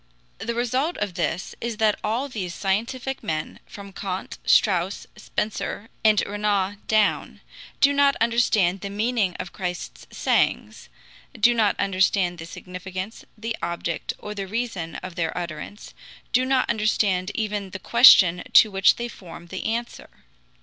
The result of this is that all these scientific men, from Kant, Strauss, Spencer, and Renan down, do not understand the meaning of Christ's sayings, do not understand the significance, the object, or the reason of their utterance, do not understand even the question to which they form the answer.